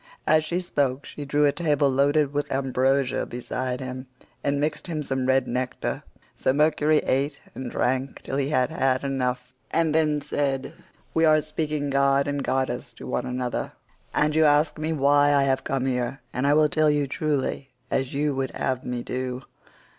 As she spoke she drew a table loaded with ambrosia beside him and mixed him some red nectar, so Mercury ate and drank till he had had enough, and then said: "We are speaking god and goddess to one another, and you ask me why I have come here, and I will tell you truly as you would have me do.